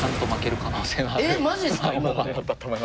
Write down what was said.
えっマジですか！？